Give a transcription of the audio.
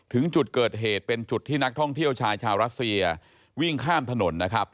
ถึงจุดเกิดเหตุเป็นจุดที่นักท่องเที่ยวชายชาวรัสเซียวิ่งข้ามถนนนะครับ